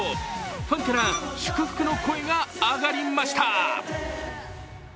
ファンから祝福の声が上がりました。